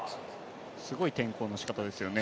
すごい転向の仕方ですよね